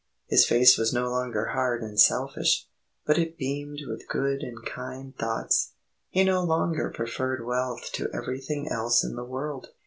His face was no longer hard and selfish, but it beamed with good and kind thoughts. He no longer preferred wealth to everything else in the world.